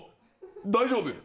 大丈夫？